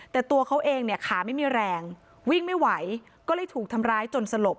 แต่ตัวเขาเองเนี่ยขาไม่มีแรงวิ่งไม่ไหวก็เลยถูกทำร้ายจนสลบ